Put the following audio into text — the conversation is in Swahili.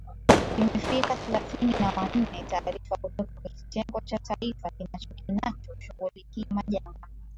imefika thelathini na wanne taarifa kutoka kwa kitengo cha taifa kinacho kinacho shughulikia majanga